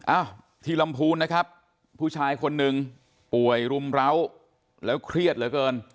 อ้าวที่ลำพูนนะครับผู้ชายคนหนึ่งป่วยรุมร้าวแล้วเครียดเหลือเกิน